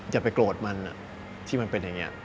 อย่าไปโกรธมันที่มันเป็นอย่างนี้